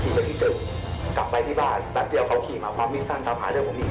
ผมต้องเอาเขาเป็นการแรกในความภาพเรื่องผมเนาะ